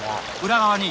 裏側に。